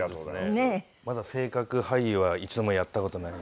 まだ性格俳優は一度もやった事ない。